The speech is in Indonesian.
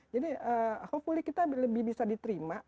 jadi hopefully kita lebih bisa diterima